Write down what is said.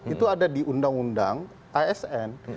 itu ada di undang undang asn